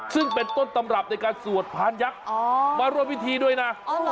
ซึ่งเป็นต้นตำรับในการสวดพานยักษ์มาร่วมพิธีด้วยนะ